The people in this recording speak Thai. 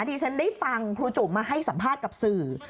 ดิฉันได้ฟังครูจุ๋มมาให้สัมภาษณ์กับสื่อ